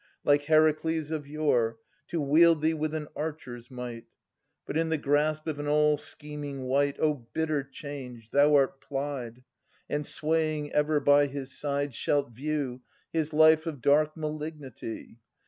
Like Heracles of yore. To wield thee with an archer's might! But in the grasp of an all scheming wight, O bitter change I thou art plied ; And swaying ever by his side, Shalt view his life of dark malignity.